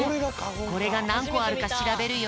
これがなんこあるかしらべるよ。